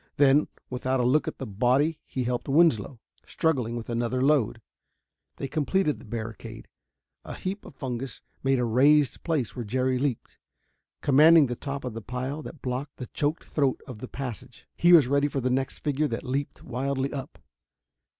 Then, without a look at the body he helped Winslow, struggling with another load. They completed the barricade. A heap of fungus made a raised place where Jerry leaped. Commanding the top of the pile that blocked the choked throat of the passage, he was ready for the next figure that leaped wildly up.